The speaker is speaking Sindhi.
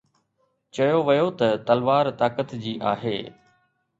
چيو ويو ته تلوار طاقت جي آهي